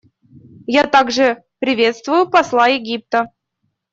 Я также приветствую посла Египта.